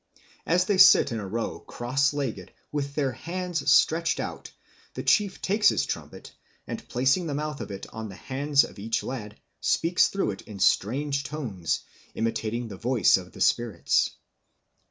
As they sit in a row cross legged, with their hands stretched out, the chief takes his trumpet, and placing the mouth of it on the hands of each lad, speaks through it in strange tones, imitating the voice of the spirits.